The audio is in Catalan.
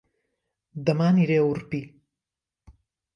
Dema aniré a Orpí